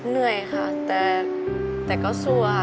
เหนื่อยค่ะแต่ก็สู้ค่ะ